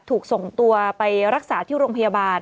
ถูกส่งตัวไปรักษาที่โรงพยาบาล